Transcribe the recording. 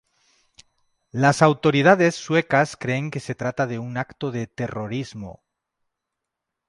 Las autoridades suecas creen que se trata de un acto de terrorismo.